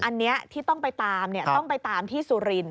อันนี้ที่ต้องไปตามต้องไปตามที่สุรินท